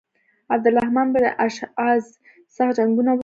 عبدالرحمن بن اشعث سخت جنګونه وکړل.